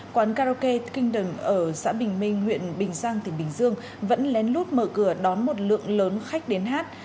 quán karaoke king đường ở xã bình minh huyện bình giang tỉnh bình dương vẫn lén lút mở cửa đón một lượng lớn khách đến hát